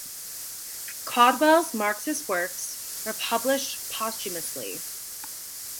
Caudwell's Marxist works were published posthumously.